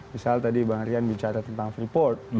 misal tadi bang rian bicara tentang freeport